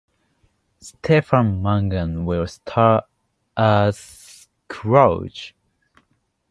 Stephen Mangan will star as Scrooge.